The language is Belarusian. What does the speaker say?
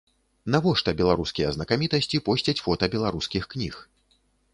Навошта беларускія знакамітасці посцяць фота беларускіх кніг?